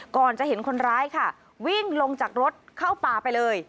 ก่อนจะเห็นคนร้ายค่ะวิ่งลงจากรถเข้าป่าไปเลย